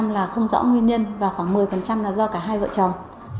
một là không rõ nguyên nhân và khoảng một mươi là do cả hai vợ chồng